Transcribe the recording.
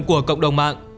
của cộng đồng mạng